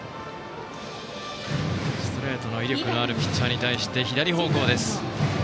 ストレートの威力のあるピッチャーに対して左方向です。